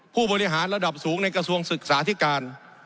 ผู้บริหารระดับสูงในกระทรวงศึกษาธิการ